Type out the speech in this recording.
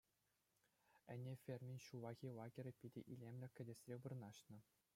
Ӗне фермин «ҫуллахи лагерӗ» питӗ илемлӗ кӗтесре вырнаҫнӑ.